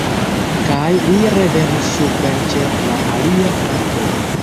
Kaj li revenus supren ĉe la alia flanko.